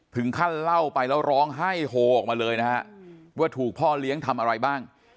เล่าไปแล้วร้องไห้โฮออกมาเลยนะฮะว่าถูกพ่อเลี้ยงทำอะไรบ้าง